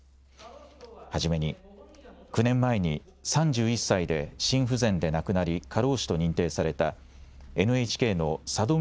初めに９年前に３１歳で心不全で亡くなり過労死と認定されたＮＨＫの佐戸